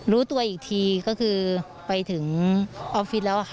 รู้ตัวอีกทีก็คือไปถึงออฟฟิศแล้วค่ะ